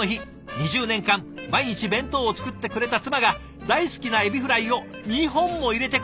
２０年間毎日弁当を作ってくれた妻が大好きなエビフライを２本も入れてくれたんだとか！